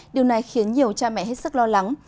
điều này khiến nhiều cha mẹ hết sức lo lắng